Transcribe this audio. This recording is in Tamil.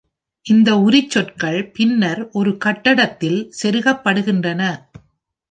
இந்த உரிச்சொற்கள் பின்னர் ஒரு கட்டத்தில் செருகப்படுகின்றன.